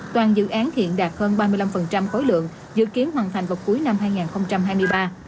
toàn dự án hiện đạt hơn ba mươi năm khối lượng dự kiến hoàn thành vào cuối năm hai nghìn hai mươi ba